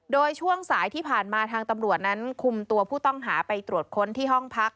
โดยช่วงสายที่ผ่านมาทางตำรวจนั้นคุมตัวผู้ต้องหาไปตรวจค้นที่ห้องพัก